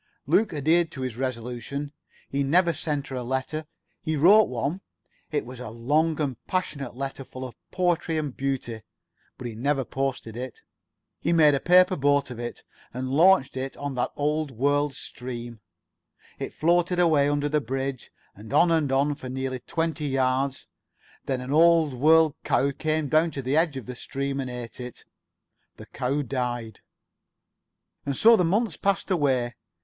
Luke adhered to his resolution. He never sent her a letter. He wrote one. It was a long and passionate letter, full of poetry and beauty. But he never posted it. He made a paper boat of it. And launched it on that old world stream. It floated away under the bridge, and on and on for nearly twenty yards. Then an old world cow came down to the edge of the stream and ate it. The cow died. And so the months passed away.